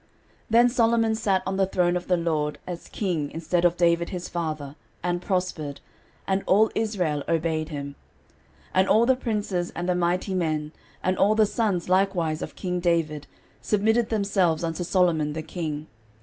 13:029:023 Then Solomon sat on the throne of the LORD as king instead of David his father, and prospered; and all Israel obeyed him. 13:029:024 And all the princes, and the mighty men, and all the sons likewise of king David, submitted themselves unto Solomon the king.